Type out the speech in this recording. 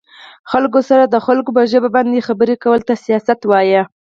خلکو سره د خلکو په ژبه باندې خبرې کولو ته سياست وايه